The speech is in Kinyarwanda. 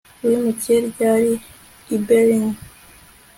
Wimukiye ryari i Berlin